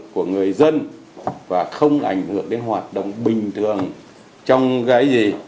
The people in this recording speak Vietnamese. của người dân và không ảnh hưởng đến hoạt động bình thường trong cái gì